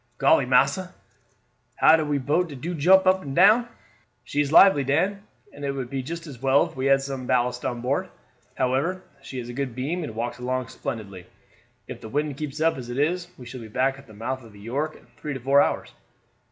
"Golly, massa! how de boat do jump up and down." "She is lively, Dan, and it would be just as well if we had some ballast on board; however, she has a good beam and walks along splendidly. If the wind keeps as it is, we shall be back at the mouth of the York in three or four hours.